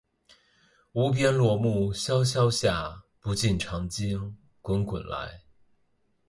无边落木萧萧下，不尽长江滚滚来